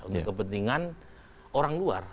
untuk kepentingan orang luar